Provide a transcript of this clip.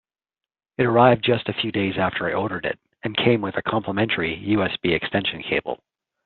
It arrived just a few days after I ordered it, and came with a complementary USB extension cable.